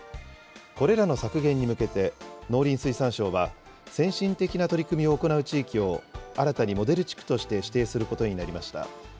これらの削減に向けて、農林水産省は、先進的な取り組みを行う地域を新たにモデル地区として指定することになりました。